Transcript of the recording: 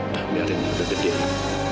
tak biarin dia deket dia